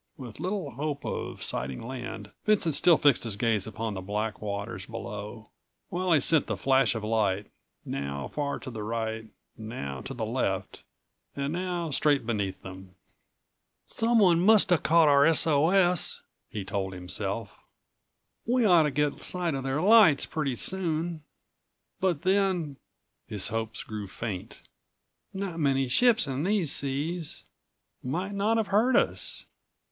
With little hope of sighting land, Vincent still fixed his gaze upon the black waters below, while he sent the flash of light, now far to the right, now to the left, and now straight beneath them. "Someone must have caught our S. O. S."178 he told himself. "We ought to get sight of their lights pretty soon. But then," his hopes grew faint, "not many ships in these seas. Might not have heard us.